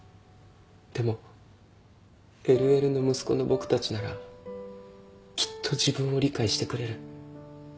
でもＬＬの息子の僕たちならきっと自分を理解してくれる。